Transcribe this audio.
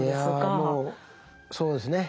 いやもうそうですね。